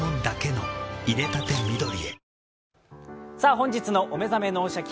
本日の「お目覚め脳シャキ！